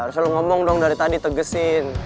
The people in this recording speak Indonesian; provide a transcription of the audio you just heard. ya harusnya lo ngomong dong dari tadi tegesin